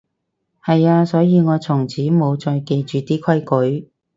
係啊，所以我從此無再記住啲規矩